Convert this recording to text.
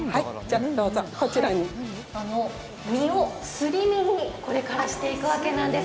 身をすり身にこれからしていくわけなんです。